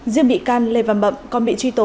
riêng bị can lê văn bậm còn bị truy tố